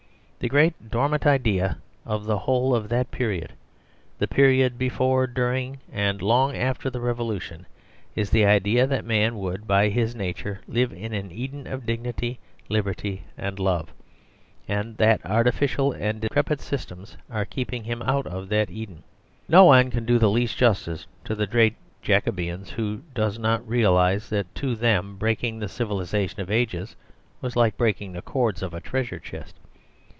The great dominant idea of the whole of that period, the period before, during, and long after the Revolution, is the idea that man would by his nature live in an Eden of dignity, liberty and love, and that artificial and decrepit systems are keeping him out of that Eden. No one can do the least justice to the great Jacobins who does not realise that to them breaking the civilisation of ages was like breaking the cords of a treasure chest.